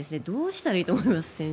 どうしたらいいと思います？